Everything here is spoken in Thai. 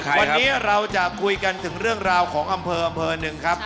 ทำเพอร์ท่าบวง